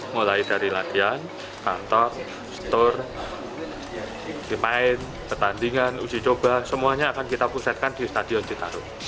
mulai dari latihan kantor store di main pertandingan uji coba semuanya akan kita pusatkan di stadion citarum